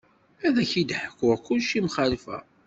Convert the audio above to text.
Ad ak-id-ḥku kulci mxalfa.